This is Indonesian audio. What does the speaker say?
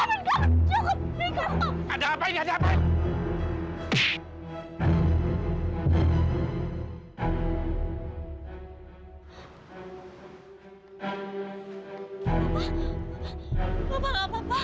bapak bapak bapak